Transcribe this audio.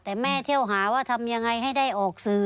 แต่แม่เที่ยวหาว่าทำยังไงให้ได้ออกสื่อ